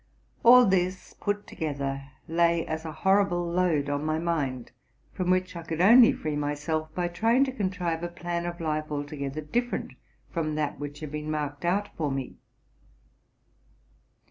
All this put together lay as a horrible load on my mind, from which I could only free myself by trying to contrive a plan of life altogether different from that which had been marked out for me.